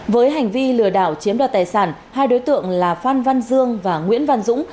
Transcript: với hành vi lừa đảo chiếm đoạt tài sản hai đối tượng là phan văn dương và nguyễn văn dũng